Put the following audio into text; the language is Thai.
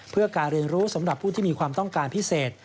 เพื่อการเรียนรู้สำหรับผู้ที่มีความต้องการพิเศษ